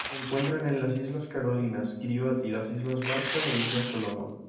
Se encuentran en las Islas Carolinas, Kiribati, las Islas Marshall e Islas Salomón.